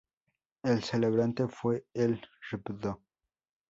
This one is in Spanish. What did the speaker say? El celebrante fue el Rvdo.